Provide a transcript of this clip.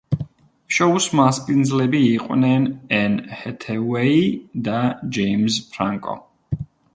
შოუს მასპინძლები იყვნენ ენ ჰეთეუეი და ჯეიმზ ფრანკო.